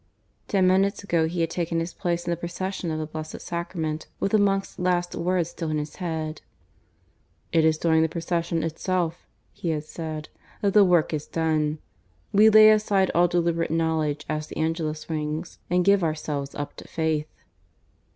Ten minutes ago he had taken his place in the procession of the Blessed Sacrament, with the monk's last word still in his head. "It is during the procession itself," he had said, "that the work is done. We lay aside all deliberate knowledge as the Angelus rings, and give ourselves up to faith."